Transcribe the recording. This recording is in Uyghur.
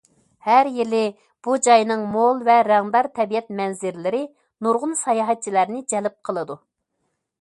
ھەر يىلى، بۇ جاينىڭ مول ۋە رەڭدار تەبىئەت مەنزىرىلىرى نۇرغۇن ساياھەتچىلەرنى جەلپ قىلىدۇ.